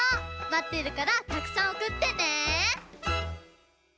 まってるからたくさんおくってね！